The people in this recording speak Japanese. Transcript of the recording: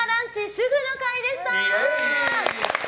主婦の会でした。